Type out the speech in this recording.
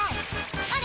あれ？